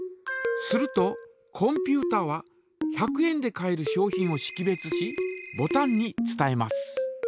するとコンピュータは１００円で買える商品をしき別しボタンに伝えます。